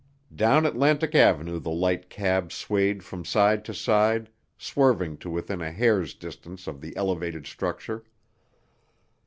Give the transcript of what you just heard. Down Atlantic Avenue the light cab swayed from side to side, swerving to within a hair's distance of the elevated structure.